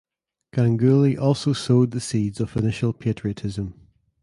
Ganguly also sowed the seeds of initial patriotism.